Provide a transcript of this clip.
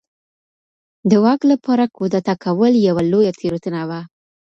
د واک لپاره کودتا کول یوه لویه تېروتنه وه.